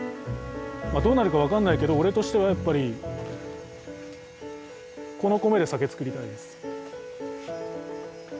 どうなるか分かんないけど俺としてはやっぱりこの米で酒造りたいです。